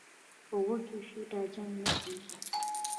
"په وږي خېټه جنګ نه کېږي".